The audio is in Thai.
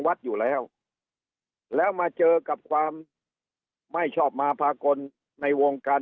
วัดอยู่แล้วแล้วมาเจอกับความไม่ชอบมาพากลในวงการ